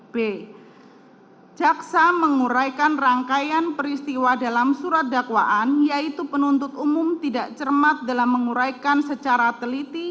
b jaksa menguraikan rangkaian peristiwa dalam surat dakwaan yaitu penuntut umum tidak cermat dalam menguraikan secara utuh dan lengkap berdasarkan fakta